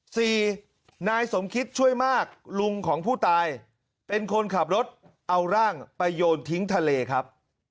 นายสมคิดช่วยมากลุงของผู้ตายเป็นคนขับรถเอาร่างไปโยนทิ้งทะเลครับ